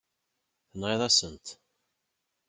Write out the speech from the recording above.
Tenɣiḍ-asent-t.